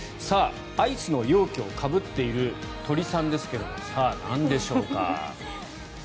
アイスの容器をかぶっている鳥さんですけれどさあ、なんでしょうか。